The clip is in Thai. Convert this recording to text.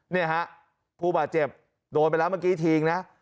เนี่ยฮะผู้บาดเจ็บโดนไปแล้วเมื่อกี้ทิ้งนะ